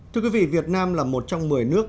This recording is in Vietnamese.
thưa quý vị việt nam là một trong một mươi nước